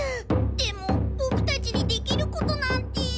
でもボクたちにできることなんて。